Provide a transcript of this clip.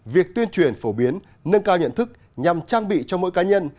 việc tuyên truyền phổ biến nâng cao nhận thức nhằm trang bị cho mỗi cá nhân